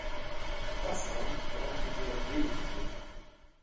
Das Amt brachte ihm jedoch wenig Glück.